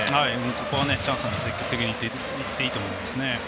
ここはチャンスなので積極的にいっていいと思いますね。